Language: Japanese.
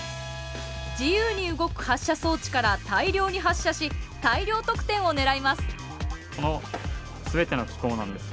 自由に動く発射装置から大量に発射し大量得点を狙います。